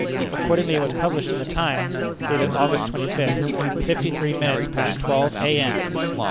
Accordingly it was published in The Times, dated August twenty fifth, fifty three minutes past twelve A.M.!